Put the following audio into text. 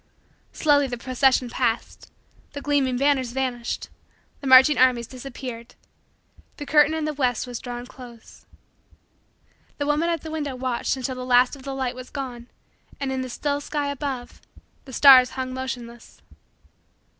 Slowly the procession passed the gleaming banners vanished the marching armies disappeared the curtain in the west was drawn close. The woman at the window watched until the last of the light was gone and, in the still sky above, the stars hung motionless.